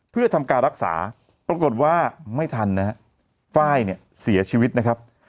เพื่อทำการรักษาปรากฏว่าไม่ทันนะฮะไฟล์เนี่ยเสียชีวิตนะครับ